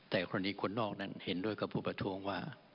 แต่คนนี้คนนอกนั้นเห็นด้วยกับผู้ประท้วงว่า